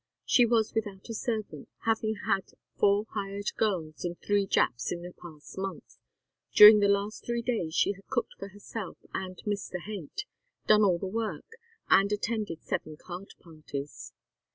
She was without a servant, having had four hired girls and three Japs in the past month; during the last three days she had cooked for herself and Mr. Haight, "done all the work," and attended seven card parties.